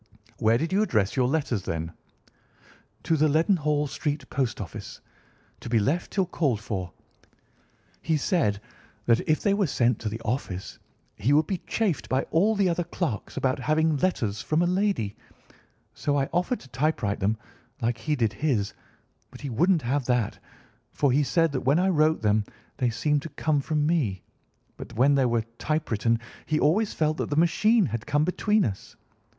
"Where did you address your letters, then?" "To the Leadenhall Street Post Office, to be left till called for. He said that if they were sent to the office he would be chaffed by all the other clerks about having letters from a lady, so I offered to typewrite them, like he did his, but he wouldn't have that, for he said that when I wrote them they seemed to come from me, but when they were typewritten he always felt that the machine had come between us.